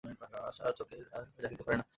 আশা চোখের জল আর রাখিতে পারে না।